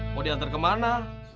mau diantar kemana